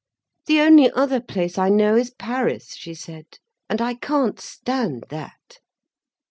"The only other place I know is Paris," she said, "and I can't stand that."